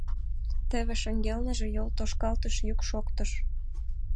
Теве шеҥгелныже йолтошкалтыш йӱк шоктыш.